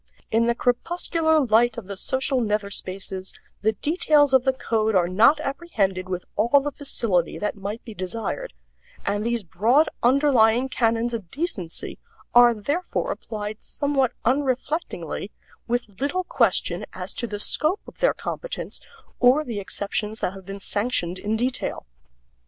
In the crepuscular light of the social nether spaces the details of the code are not apprehended with all the facility that might be desired, and these broad underlying canons of decency are therefore applied somewhat unreflectingly, with little question as to the scope of their competence or the exceptions that have been sanctioned in detail.